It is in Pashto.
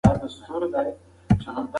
حیات الله د قمرۍ صبر ته ډېر حیران و.